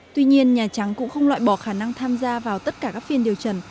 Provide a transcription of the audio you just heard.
tuy nhiên nhà trắng cũng không loại bỏ khả năng tham gia vào tất cả các phiên điều trần